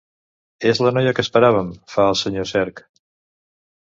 És la noia que esperàvem, fa el senyor Cerc.